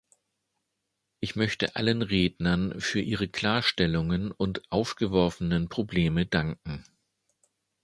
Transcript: Ich möchte allen Rednern für ihre Klarstellungen und aufgeworfenen Probleme danken.